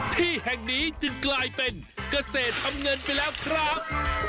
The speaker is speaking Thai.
ที่แห่งนี้จึงกลายเป็นเกษตรทำเงินไปแล้วครับ